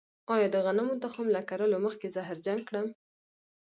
آیا د غنمو تخم له کرلو مخکې زهرجن کړم؟